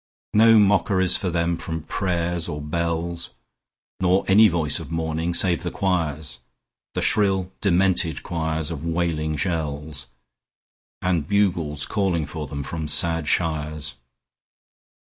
No mockeries for them from prayers or bells, Nor any voice of mourning save the choirs The shrill, demented choirs of wailing shells; And bugles calling for them from sad shires.